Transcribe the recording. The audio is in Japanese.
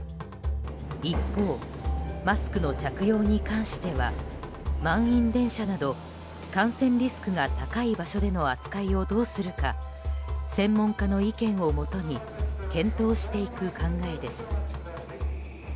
一方、マスクの着用に関しては満員電車など感染リスクが高い場所での扱いをどうするか専門家の意見をもとに検討していく考えです。